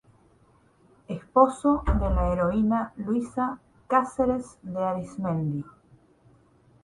Esposo de la heroína Luisa Cáceres de Arismendi.